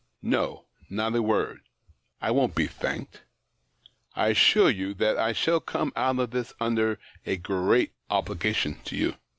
No, not a word. I won't be thanked — I assure you that I shall come out of this under a great obligation to you.